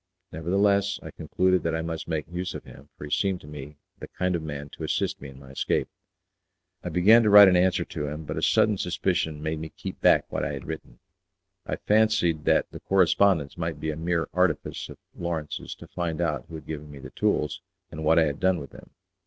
Nevertheless, I concluded that I must make use of him, for he seemed to me the kind of man to assist me in my escape. I began to write an answer to him, but a sudden suspicion made me keep back what I had written. I fancied that the correspondence might be a mere artifice of Lawrence's to find out who had given me the tools, and what I had done with them.